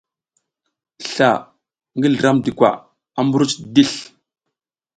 Sla ngi Slramdi kwa a mbruc disl.